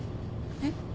えっ？